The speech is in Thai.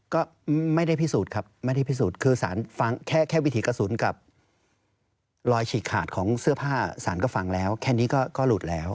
ก็ไม่ได้พิสูจน์ครับไม่ได้พิสูจน์คือสารฟังแค่วิถีกระสุนกับรอยฉีกขาดของเสื้อผ้าสารก็ฟังแล้วแค่นี้ก็หลุดแล้ว